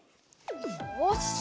よし！